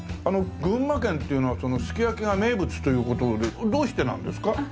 群馬県っていうのはすき焼きが名物という事でどうしてなんですか？